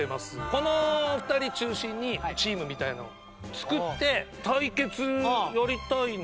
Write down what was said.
この２人中心にチームみたいの作って対決やりたいな。